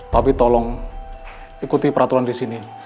tapi tolong ikuti peraturan di sini